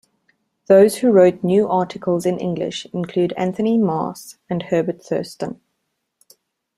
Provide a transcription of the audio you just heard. Those who wrote new articles in English include Anthony Maas and Herbert Thurston.